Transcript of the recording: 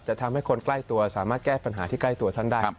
ทำให้คนใกล้ตัวสามารถแก้ปัญหาที่ใกล้ตัวท่านได้